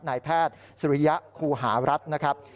นายแพทย์สุริยะครูหารัฐนะครับ